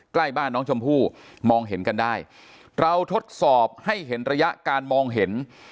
ใกล้บ้านน้องชมพู่มองเห็นกันได้เราทดสอบให้เห็นระยะการมองเห็น